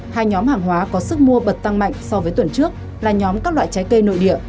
hai nhóm hàng hóa có sức mua bật tăng mạnh so với tuần trước là nhóm các loại trái cây nội địa